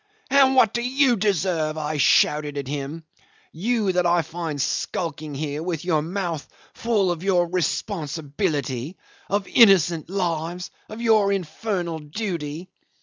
'And what do you deserve,' I shouted at him, 'you that I find skulking here with your mouth full of your responsibility, of innocent lives, of your infernal duty?